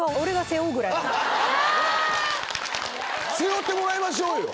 背負ってもらいましょうよ。